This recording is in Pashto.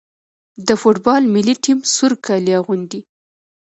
د فوټبال ملي ټیم سور کالي اغوندي.